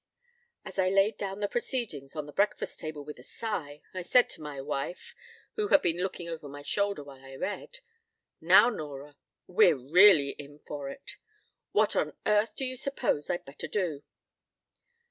p> As I laid down the Proceedings on the breakfast table with a sigh, I said to my wife (who had been looking over my shoulder while I read): "Now, Nora, we're really in for it. What on earth do you suppose I'd better do?"